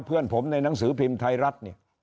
เพื่อนผมในหนังสือพิมพ์ไทยรัฐเนี่ย